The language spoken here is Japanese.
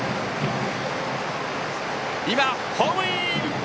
今、ホームイン！